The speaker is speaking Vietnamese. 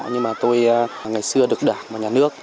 nhưng mà tôi ngày xưa được đảng và nhà nước